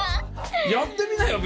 やってみなよ